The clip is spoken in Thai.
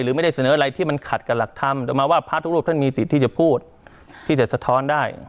หรือไม่ได้เสนออะไรที่มันขัดกับหลักธรรมแต่มาว่าพระทุกรูปท่านมีสิทธิ์ที่จะพูดที่จะสะท้อนได้